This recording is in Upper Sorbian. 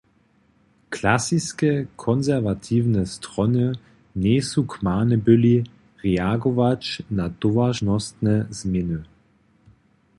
Klasiske konserwatiwne strony njejsu kmane byli, reagować na towaršnostne změny.